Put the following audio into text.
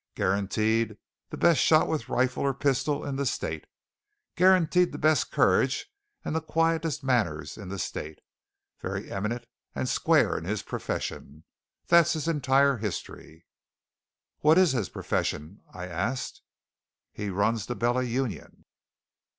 Guaranteed the best shot with rifle or pistol in the state. Guaranteed the best courage and the quietest manners in the state. Very eminent and square in his profession. That's his entire history." "What is his profession?" I asked. "He runs the Bella Union."